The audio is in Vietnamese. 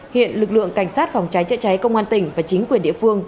hiện lực lượng cảnh sát phòng trái chạy trái công an tỉnh và chính quyền địa phương